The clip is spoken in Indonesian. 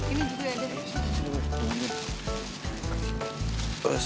ini juga ada